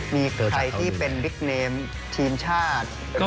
มีใครที่เป็นบิ๊กเนมทีมชาติ